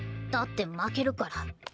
だって負けるから。